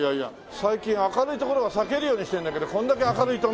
最近明るい所は避けるようにしてるんだけどこれだけ明るいとね。